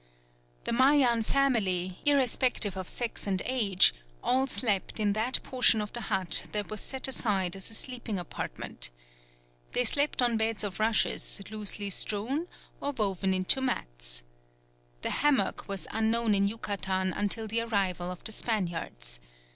The Mayan family, irrespective of sex and age, all slept in that portion of the hut that was set aside as a sleeping apartment. They slept on beds of rushes loosely strewn or woven into mats. The hammock was unknown in Yucatan until the arrival of the Spaniards.